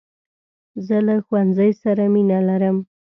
زه له ښوونځۍ سره مینه لرم .